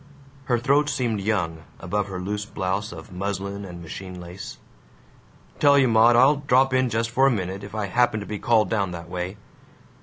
Her throat seemed young, above her loose blouse of muslin and machine lace. "Tell you, Maud: I'll drop in just for a minute, if I happen to be called down that way."